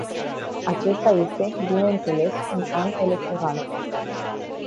Acesta este, bineînțeles, un an electoral.